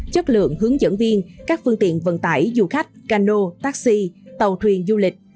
chất lượng hướng dẫn viên các phương tiện vận tải du khách cano taxi tàu thuyền du lịch